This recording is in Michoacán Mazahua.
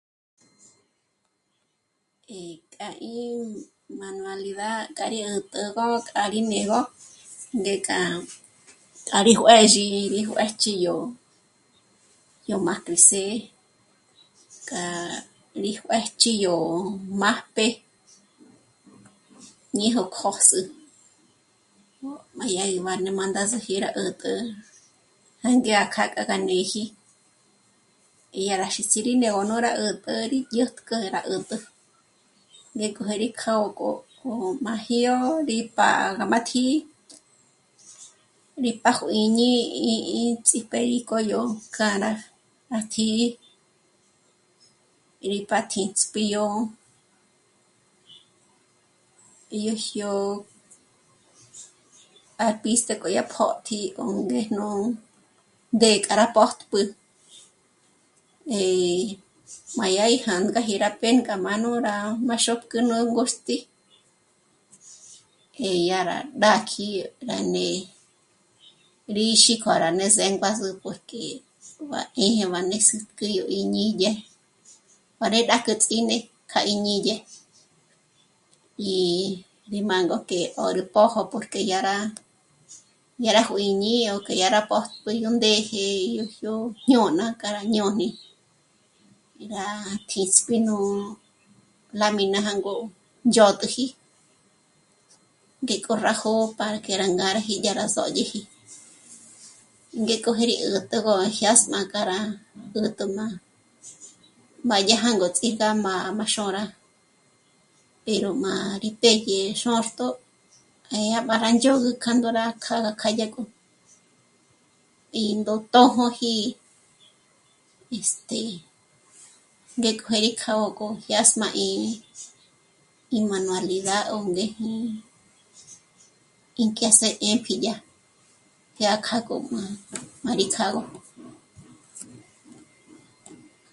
I k'a í manualidad k'a rí 'ä̀t'ägo k'a rí né'egö, ngék'a rí juë̌zhi, rí juë̌jch'i yó, yó má kris'é, k'a rí juë̌jchi yó májp'e ñejo kjö́s'ü. Má yá gí mbáne má ndásíji rá 'ä̀t'ä jânge gá kjâ'a k'a gá néji yá rá xísi rí né'egö nú rá 'ä̀t'ä rí dyä̀t'k'ä rá 'ä̀t'ä, ñe k'o jé rí kjâ'a ó gó, jó'o má jíyo rí pá'a gá má tǐ'i, rí pá'a juǐñi 'i'i ts'íp'e í k'o yó k'a rá à tjǐ'i, rí pa títsp'i yó, yó jyó'o à pístë k'o dyá pó'tji ó ngéjnu, ngék'a rá pójtp'ü, eh, má yá gí jângaji rá pěnk'a má nú rá m'áxópk'ü nú ngôxti, eh, dyà rá d'ákji rá né'e, rí xík'o rá né'e zénguazü porque b'á 'ē̌jē b'a nés'e k'o 'iñídye pá rí rá k'o ts'ín'e k'a 'íñídye. I rí má ngó k'e 'órü pójo porque yá rá, yá rá juǐñi ó k'e ya rá pójp'ü yó ndéje yó jñôna k'a rá jñôni, rá tjísp'i nú lámina jângo dyö̌t'üji, ngék'o rá jó'o para que rá ngâraji dyà rá sódyeji, ngék'o jé rí 'ä̀t'ägo à jyâsm'a k'a rá 'ä̀t'ä má, má dyà jângots'í gá má, má xôra pero má rí pédye xóxtjo e mbára ndzhôgü k'a ndó rá kjâ'a dyá k'o. Í ndó tjójoji, este..., ngék'o jé ri kjâ'a ó k'o jyâsm'aji í manualidad ó ngéjnú ín k'e hacer e pìdya, dyá k'a ngǔm'ü má rí kjâ'agö